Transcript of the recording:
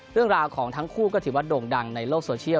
เรื่องราวของทั้งคู่ก็ถือว่าโด่งดังในโลกโซเชียล